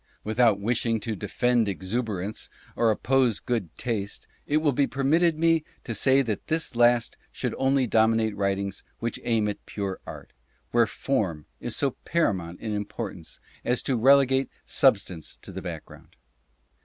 Without wishing to defend exuber ance, or oppose "good taste," it will be permitted me to say that this last should only dominate writings which aim at pure art, where form is so paramount in importance as to relegate substance to the background.